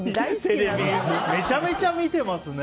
めちゃめちゃ見てますね。